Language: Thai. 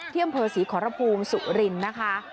อำเภอศรีขอรภูมิสุรินทร์นะคะ